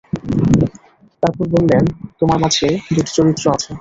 তারপর বললেন, তোমার মাঝে দুটি চরিত্র আছে।